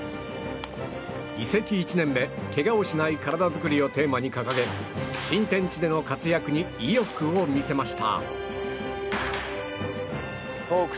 移籍１年目、けがをしない体づくりをテーマに掲げ新天地での活躍に意欲を見せました。